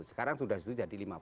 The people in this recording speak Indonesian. sekarang sudah jadi lima puluh